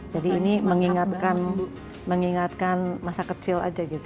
jadi ini mengingatkan masa kecil aja gitu